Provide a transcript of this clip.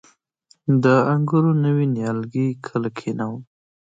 د انګورو نوي نیالګي کله کینوم؟